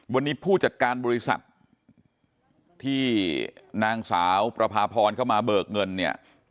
วันนี้ผู้จัดการบริษัทที่นางสาวประพาพรเข้ามาเบิกเงินเนี่ย